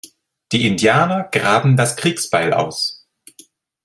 Die Indianer graben das Kriegsbeil aus.